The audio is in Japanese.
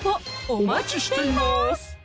お待ちしています